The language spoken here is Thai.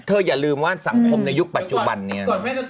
เธออย่าลืมว่าสรรค์มในยุคปัจจุบันเนี่ย